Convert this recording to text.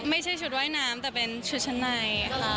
ไม่ใช่ชุดว่ายน้ำแต่เป็นชุดชะไน